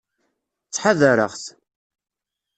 Ttḥadareɣ-t.